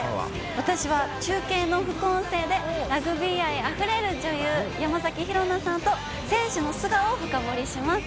私は中継の副音声でラグビー愛あふれる女優、山崎紘菜さんと選手の素顔を深掘りします。